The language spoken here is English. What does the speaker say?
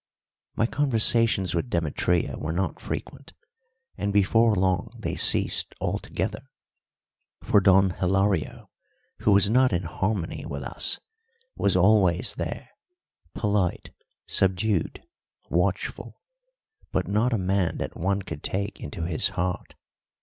My conversations with Demetria were not frequent, and before long they ceased altogether; for Don Hilario, who was not in harmony with us, was always there, polite, subdued, watchful, but not a man that one could take into his heart.